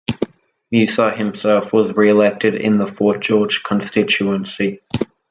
Musa himself was re-elected in the Fort George constituency.